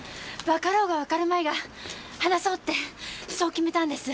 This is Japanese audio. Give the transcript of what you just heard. わかろうがわかるまいが話そうってそう決めたんです！